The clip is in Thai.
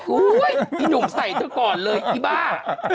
อีหนุ่มใส่เธอก่อนเลยอีบ้า